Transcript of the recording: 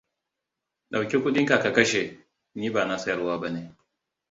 Ɗauki kuɗinka ka kashe! Ni ba na siyarwa ba ne.